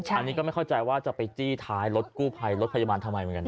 อันนี้ก็ไม่เข้าใจว่าจะไปจี้ท้ายรถกู้ภัยรถพยาบาลทำไมเหมือนกันนะ